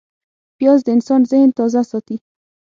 پیاز د انسان ذهن تازه ساتي